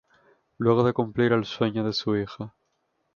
Luego de cumplir el sueño de su hija.